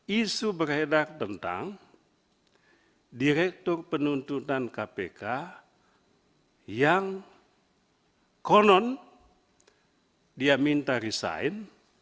isu beredar tentang direktur penuntutan kpk yang konon dia minta resign